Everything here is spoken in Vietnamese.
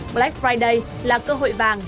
black friday là cơ hội vàng